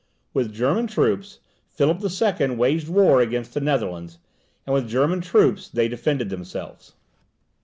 With German troops, Philip the Second waged war against the Netherlands, and with German troops they defended themselves.